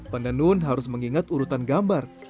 penenun harus mengingat urutan gambar